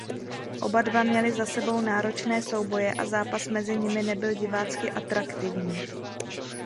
Oba dva měli za sebou náročné souboje a zápas mezi nimi nebyl divácky atraktivní.